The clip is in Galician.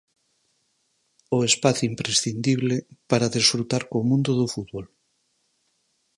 O espazo imprescindible para desfrutar co mundo do fútbol.